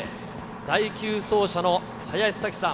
第９走者の林咲希さん。